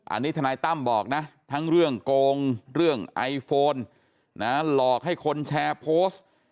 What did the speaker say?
อันนี้ทนายตั้มบอกนะทั้งเรื่องโกงเรื่องไอโฟนหลอกให้คนแชร์โพสต์